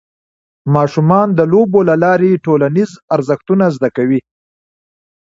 ماشومان د لوبو له لارې ټولنیز ارزښتونه زده کوي.